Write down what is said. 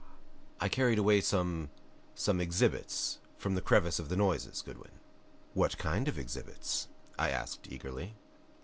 "I carried away some some exhibits from the crevice of the noises, Goodwin." "What kind of exhibits?" I asked, eagerly.